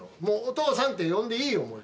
もうお父さんって呼んでいいよ。